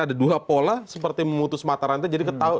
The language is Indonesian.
ada dua pola seperti memutus mata rantai